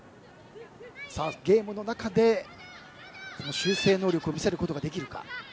ゲームの中で、修正能力を見せることができるか。